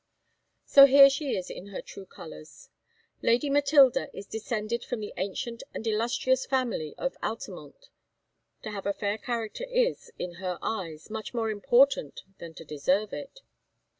So here she is in her true colours. Lady Matilda is descended from the ancient and illustrious family of Altamont. To have a fair character is, in her eyes, much more important than to deserve it.